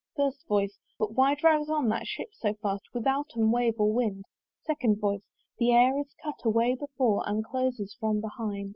FIRST VOICE. "But why drives on that ship so fast "Withouten wave or wind?" SECOND VOICE. "The air is cut away before, "And closes from behind.